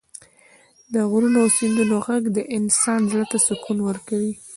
د غرونو او سیندونو غږ د انسان زړه ته سکون ورکوي.